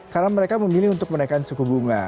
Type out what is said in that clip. karena mereka memilih untuk menaikan suku bunga